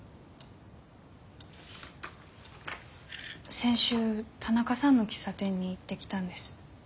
先週田中さんの喫茶店に行ってきたんです。